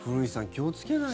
気をつけないと。